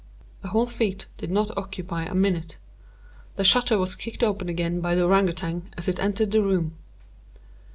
The whole feat did not occupy a minute. The shutter was kicked open again by the Ourang Outang as it entered the room.